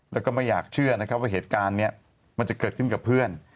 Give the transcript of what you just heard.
แล้วก็ไม่อยากเชื่อนะครับว่าเหตุการณ์นี้มันจะเกิดขึ้นกับเพื่อน